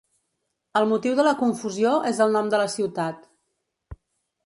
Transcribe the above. El motiu de la confusió és el nom de la ciutat.